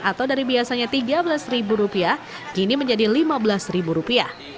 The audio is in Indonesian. atau dari biasanya tiga belas ribu rupiah kini menjadi lima belas ribu rupiah